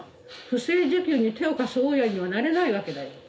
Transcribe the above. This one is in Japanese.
不正受給に手を貸す大家にはなれないわけだよ。